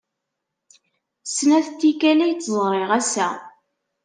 Snat n tikkal ay tt-ẓriɣ ass-a.